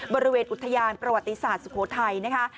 บริเวณอุทยานประวัติศาสตร์สุโขทัยนะคะ